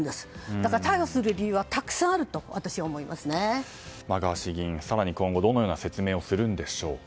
だから逮捕する理由はたくさんあるとガーシー議員、更に今度どのような説明をするんでしょうか。